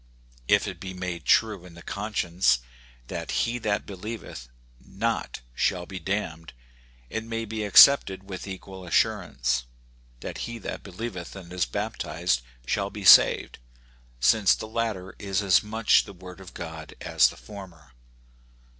If it be made true in the conscience that he that believeth not shall be damned, it may be accepted with equal assurance, that he that believeth and is baptized shall be saved, since the latter is as much the word of God as the former.